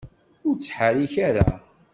Ur ttḥerrik ara!